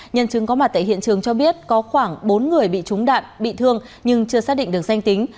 nhân chứng có mặt tại hiện trường cho biết có khoảng bốn người bị trúng đạn bị thương nhưng chưa xác định được danh tính